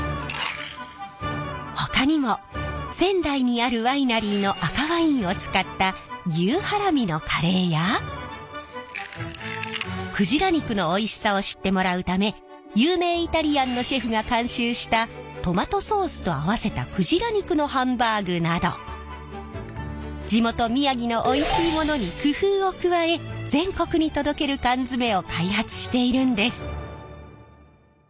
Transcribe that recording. ほかにも仙台にあるワイナリーの赤ワインを使った牛ハラミのカレーや鯨肉のおいしさを知ってもらうため有名イタリアンのシェフが監修したトマトソースと合わせた鯨肉のハンバーグなど地元宮城のおいしいものに工夫を加え全国に届ける缶詰を開発しているんです。